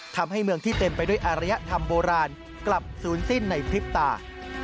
ทำให้เมืองที่เต็มไปด้วยอารยธรรมโบราณกลับศูนย์สิ้นในพริบตา